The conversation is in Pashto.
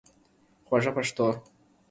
خوږه پښتو